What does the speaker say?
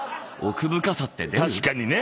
確かにね。